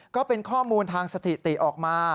ก็เป็นข้อมูลทางสถิติออกมา